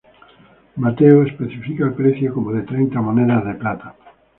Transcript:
Mateo especifica el precio como de treinta monedas de plata.